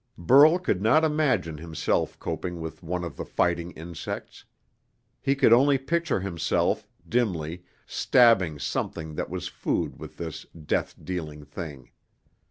Burl could not imagine himself coping with one of the fighting insects. He could only picture himself, dimly, stabbing something that was food with this death dealing thing.